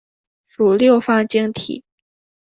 属六方晶系。